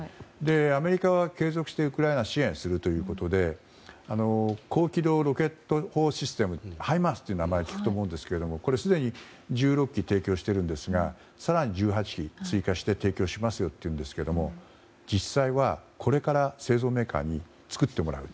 アメリカは、継続してウクライナを支援するということで高軌道ロケット砲システムのハイマースという名前は聞くと思うんですけどすでに１６基提供してると思うんですが更に１８基追加して提供しますというんですが実際は、これから製造メーカーに作ってもらう。